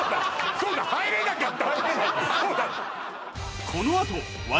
そうだ入れなかったそうだ